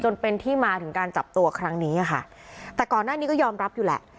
จนเป็นที่มาถึงการจับตัวครั้งนี้ค่ะแต่ก่อนหน้านี้ก็ยอมรับอยู่แหละ